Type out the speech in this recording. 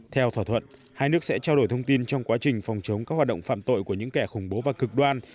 theo thỏa thuận hai nước sẽ trao đổi thông tin trong quá trình phòng chống các hoạt động phạm tội của những kẻ khủng bố và cực đoan